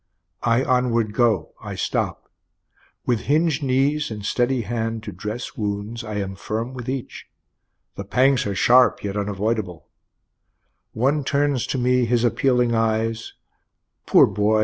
_ _I onward go, I stop, With hinged knees and steady hand to dress wounds, I am firm with each, the pangs are sharp yet unavoidable, One turns to me his appealing eyes poor boy!